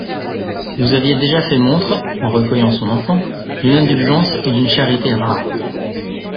Vous aviez déjà fait montre, en recueillant son enfant, d'une indulgence et d'une charité rares.